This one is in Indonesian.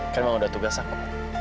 kan memang udah tugas aku